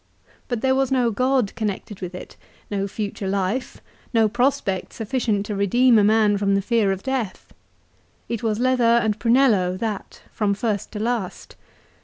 But there was no God connected with it, no future life, no prospect sufficient to redeem a man from the fear of death. It was leather and prunello, that, from first to last.